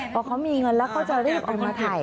พอเขามีเงินแล้วเขาจะรีบออกมาถ่าย